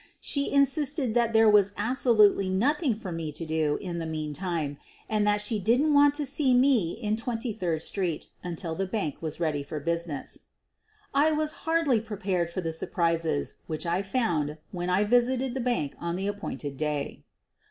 She insisted that there was absolutely nothing for me to do in the meantime and that she didn't want to see me in Twenty third street until the bank was ready for business. I was hardly prepared for the surprises which I found when I visited the bank on the appointed day.